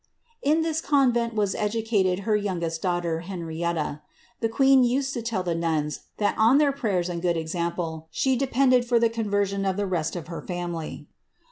^'' In tliis convent was educated her youngest daughter, Uen rieiia. Tiie queen used to tell the nuns, that on their prayers and good example she depended for the conversion of the rest of her family.